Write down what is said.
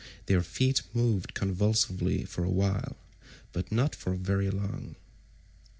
178 Their feet moved convulsively for a while, but not for very long.